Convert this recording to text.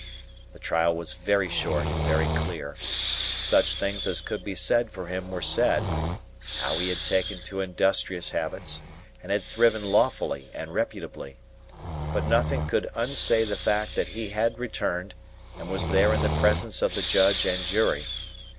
The trial was very short and very clear. Such things as could be said for him were said,—how he had taken to industrious habits, and had thriven lawfully and reputably. But nothing could unsay the fact that he had returned, and was there in presence of the Judge and Jury.